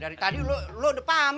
dari tadi lo udah pamit udah pulang sana